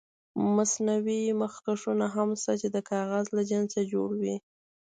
مصنوعي مخکشونه هم شته چې د کاغذ له جنسه جوړ وي.